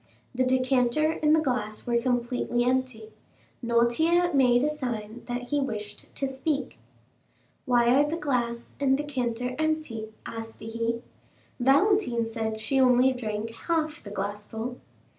The decanter and the glass were completely empty. Noirtier made a sign that he wished to speak. "Why are the glass and decanter empty?" asked he; "Valentine said she only drank half the glassful."